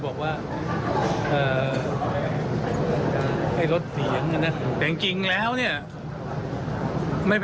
บะวอนนะครับ